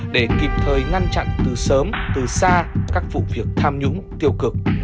để kịp thời ngăn chặn từ sớm từ xa các vụ việc tham nhũng tiêu cực